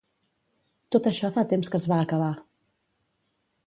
Tot això fa temps que es va acabar.